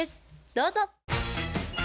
どうぞ。